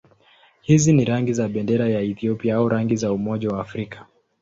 Hizi ni rangi za bendera ya Ethiopia au rangi za Umoja wa Afrika.